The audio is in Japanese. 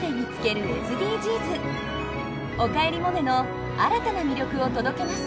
「おかえりモネ」の新たな魅力を届けます。